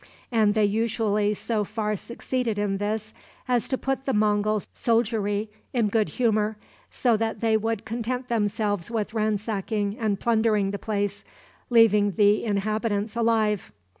And they usually so far succeeded in this as to put the Mongul soldiery in good humor, so that they would content themselves with ransacking and plundering the place, leaving the inhabitants alive.